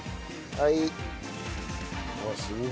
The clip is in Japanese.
はい。